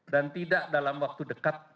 dan tidak dalam waktu dekat